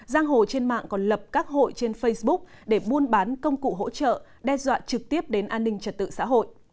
giang hồ trên mạng còn lập các hội trên facebook để buôn bán công cụ hỗ trợ đe dọa trực tiếp đến an ninh trật tự xã hội